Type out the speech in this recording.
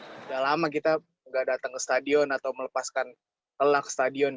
sudah lama kita tidak datang ke stadion atau melepaskan lelah ke stadion